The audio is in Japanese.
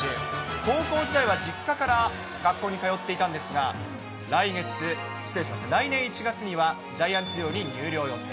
高校時代は実家から学校に通っていたんですが、来年１月にはジャイアンツ寮に入寮予定。